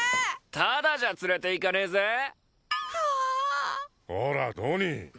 タダじゃ連れて行かねえぜうわこらドニー！